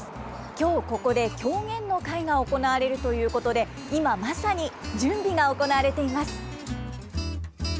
今日ここで狂言の会が行われるということで今まさに準備が行われています。